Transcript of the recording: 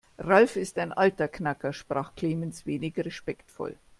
Ralf ist ein alter Knacker, sprach Clemens wenig respektvoll.